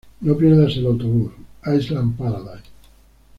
No pierdas el autobús: Island Paradise.